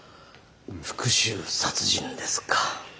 復讐殺人ですか。